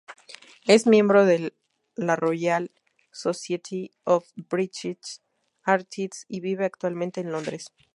Es miembro de la Royal Society of British Artists y vive actualmente en Londres.